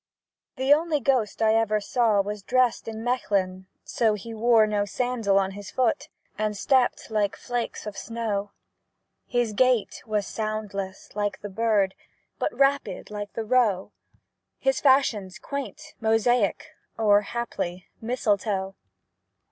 The only ghost I ever saw Was dressed in mechlin, so; He wore no sandal on his foot, And stepped like flakes of snow. His gait was soundless, like the bird, But rapid, like the roe; His fashions quaint, mosaic, Or, haply, mistletoe.